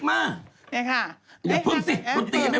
ไม่เป็นแอมมี่